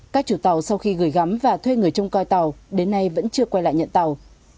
các chủ tàu sau khi gửi gắm và thuê người trông coi tàu đến nay vẫn chưa quay lại nhận tàu